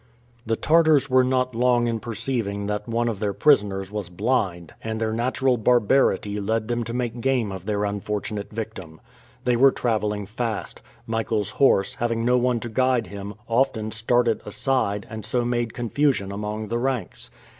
The Tartars were not long in perceiving that one of their prisoners was blind, and their natural barbarity led them to make game of their unfortunate victim. They were traveling fast. Michael's horse, having no one to guide him, often started aside, and so made confusion among the ranks.